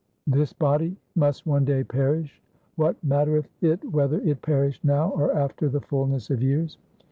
This body must one day perish. What mattereth it whether it perish now or after the fullness of years